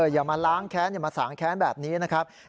อย่ามาล้างแค้นอย่ามาสางแค้นแบบนี้นะครับ